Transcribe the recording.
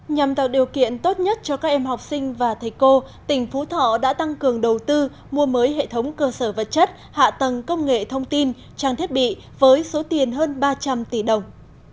nhằm tạo điều kiện tốt nhất cho các em học sinh và thầy cô tỉnh phú thọ đã tăng cường đầu tư mua mới hệ thống cơ sở vật chất hạ tầng công nghệ thông tin trang thiết bị với số tiền hơn ba trăm linh tỷ đồng